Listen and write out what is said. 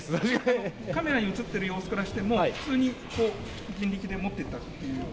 カメラに写っている様子からしても、普通に人力で持っていったという？